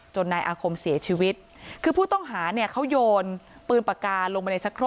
นายอาคมเสียชีวิตคือผู้ต้องหาเนี่ยเขาโยนปืนปากกาลงไปในสักครู่